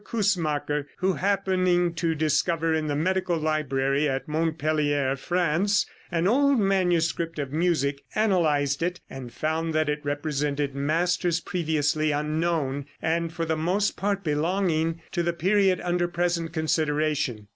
Coussemaker, who happening to discover in the medical library at Montpelier, France, an old manuscript of music, analyzed it, and found that it represented masters previously unknown, and, for the most part, belonging to the period under present consideration.